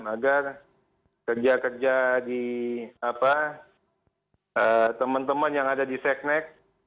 agar kerja kerja di teman teman yang ada di seknek